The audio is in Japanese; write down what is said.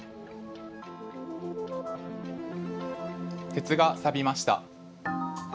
鉄がさびました。